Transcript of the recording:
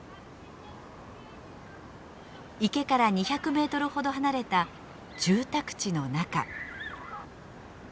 池から２００メートルほど離れた住宅地の中。